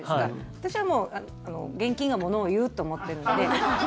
私はもう、現金がものを言うって思っているので。